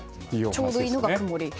ちょうどいいのが曇りだと。